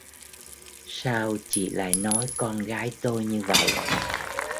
Sao chị lại nói con gái tôi như vậy